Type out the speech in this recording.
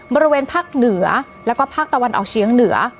บริเวณภาคเหนือแล้วก็ภาคตะวันออกเชียงเหนือ